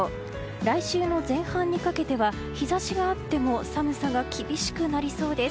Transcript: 来週も前半にかけては日差しがあっても寒さが厳しくなりそうです。